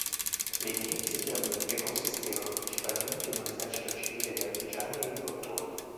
Le milizie fiamminghe consistevano principalmente in un esercito civile di artigiani e agricoltori.